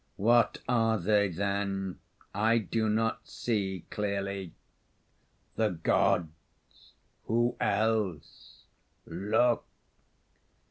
"What are they, then? I do not see clearly." "The Gods. Who else? Look!"